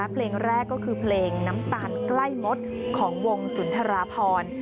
เพลงแรกก็คือเพลงน้ำตาลใกล้มดของวงสุนทราพร